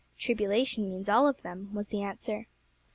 'Tribulation means all of them,' was the answer.